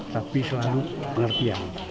tapi selalu mengerti